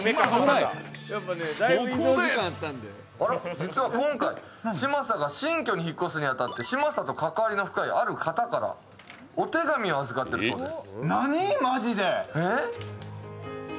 実は今回、嶋佐が新居に引っ越すに当たって嶋佐と関わりの深い、ある方からお手紙を預かっているそうです。